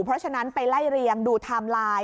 เพราะฉะนั้นไปไล่เรียงดูไทม์ไลน์